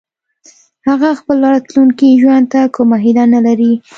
هغه خپل راتلونکي ژوند ته کومه هيله نه لري